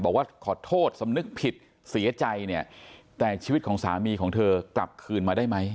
บอกว่าขอโทษสำนึกผิดเสียใจเนี่ยแต่ชีวิตของสามีของเธอกลับคืนมาได้ไหม